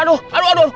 aduh aduh aduh